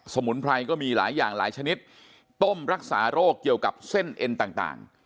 มุนไพรก็มีหลายอย่างหลายชนิดต้มรักษาโรคเกี่ยวกับเส้นเอ็นต่าง